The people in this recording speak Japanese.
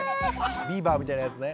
ビーバーみたいなやつね。